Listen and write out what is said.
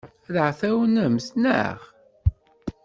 Ad aɣ-tɛawnemt, naɣ?